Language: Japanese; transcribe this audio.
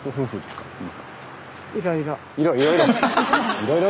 いろいろ。